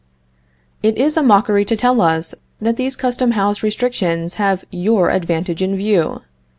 It is a mockery to tell us that these Custom House restrictions have your advantage in view.